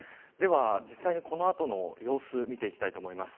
実際に、この後の様子を見ていきます。